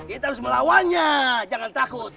kita harus melawannya jangan takut